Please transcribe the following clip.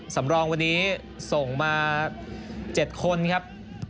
สำรองวันนี้ส่งมา๗คนครับ